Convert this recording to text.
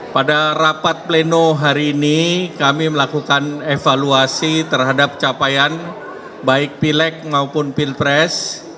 pada rapat pleno hari ini kami melakukan evaluasi terhadap capaian baik pileg maupun pilpres